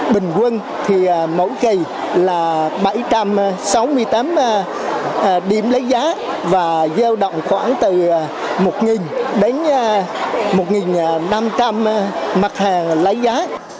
bình quân thì mỗi kỳ là bảy trăm sáu mươi tám điểm lấy giá và giao động khoảng từ một đến một năm trăm linh mặt hàng lấy giá